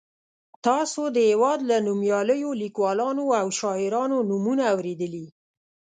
تاسو د هېواد له نومیالیو لیکوالو او شاعرانو نومونه اورېدلي.